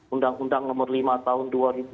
undang undang nomor lima tahun